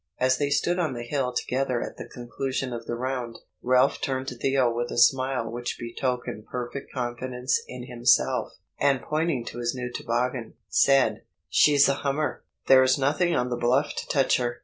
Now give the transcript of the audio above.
As they stood on the hill together at the conclusion of the round, Ralph turned to Theo with a smile which betokened perfect confidence in himself, and pointing to his new toboggan, said,— "She's a hummer; there's nothing on the bluff to touch her."